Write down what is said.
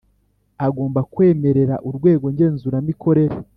agomba kwemerera Urwego Ngenzuramikorere